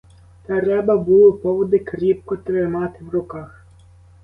Треба було поводи кріпко тримати в руках.